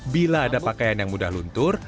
bila ada pakaian yang mudah luntur